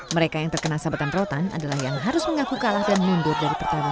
mereka yang terkena sabetan rotan adalah yang harus mengaku kalah dan mundur dari pertamina